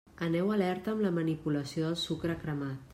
Aneu alerta amb la manipulació del sucre cremat.